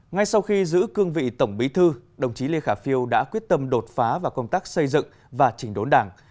ngay sau khi giữ cương vị tổng bí thư đồng chí lê khả phiêu đã quyết tâm đột phá vào công tác xây dựng và chỉnh đốn đảng